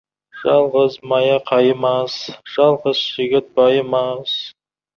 Жалғыз мая қайымас, жалғыз жігіт байымас.